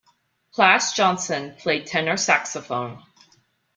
Plas Johnson played tenor saxophone.